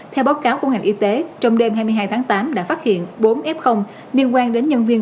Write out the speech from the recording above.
theo báo cáo của ngành y tế trong đêm hai mươi hai tháng tám đã phát hiện bốn f liên quan đến nhân viên